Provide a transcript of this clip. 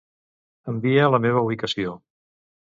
Envia la meva ubicació.